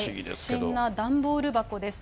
不審な段ボール箱です。